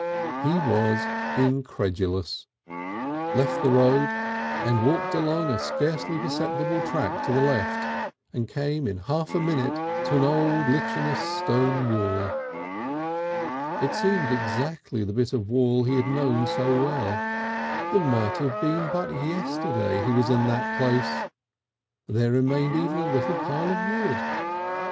He was incredulous, then left the road and walked along a scarcely perceptible track to the left, and came in half a minute to an old lichenous stone wall. It seemed exactly the bit of wall he had known so well. It might have been but yesterday he was in that place; there remained even a little pile of wood.